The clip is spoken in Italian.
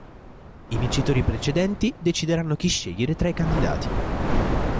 I vincitori precedenti decideranno chi scegliere tra i candidati.